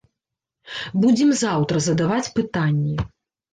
Будзем заўтра задаваць пытанні.